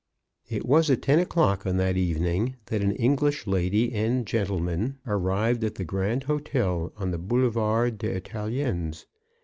It was at ten o'clock on that evening that an English lady and trentleman arrived at the Grand H6tel on the Boulevard des Italiens.